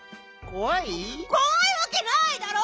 こわいわけないだろ！